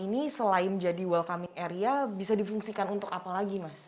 ini selain jadi welcoming area bisa difungsikan untuk apa lagi mas